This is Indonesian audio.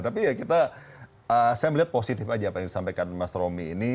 tapi ya kita saya melihat positif aja apa yang disampaikan mas romi ini